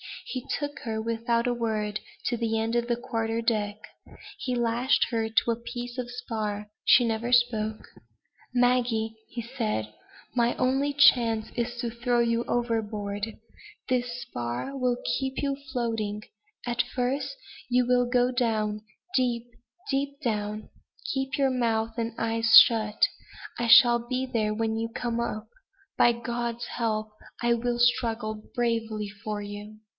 He took her, without a word, to the end of the quarter deck. He lashed her to a piece of spar. She never spoke: "Maggie," he said, "my only chance is to throw you overboard. This spar will keep you floating. At first, you will go down deep, deep down. Keep your mouth and eyes shut. I shall be there when you come up. By God's help, I will struggle bravely for you."